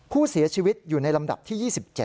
ผู้เสียชีวิตอยู่ในลำดับที่๒๗